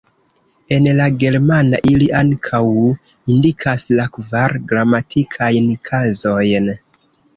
En la germana ili ankaŭ indikas la kvar gramatikajn kazojn.